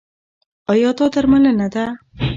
ایا دا درملنه ده؟